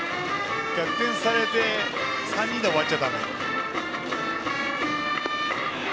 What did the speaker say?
逆転されて３人で終わっちゃだめ。